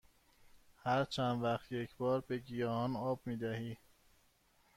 هر چند وقت یک بار به گیاهان آب می دهی؟